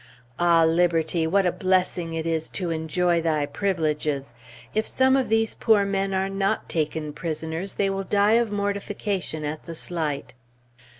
Ah, Liberty! What a blessing it is to enjoy thy privileges! If some of these poor men are not taken prisoners, they will die of mortification at the slight.